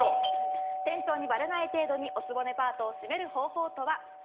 店長にばれない程度にお局パートをシメる方法とは？